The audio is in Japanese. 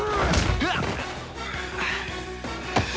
うわっ！